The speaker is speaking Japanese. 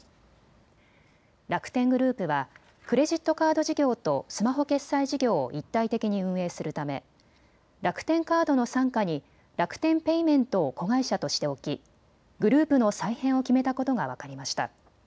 楽天グループはクレジットカード事業とスマホ決済事業を一体的に運営するため楽天カードの傘下に楽天ペイメントを子会社として置き、グループの再編を決めたことが分かりました。